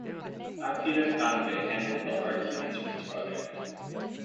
Akira Kanbe handled the art duties for this project.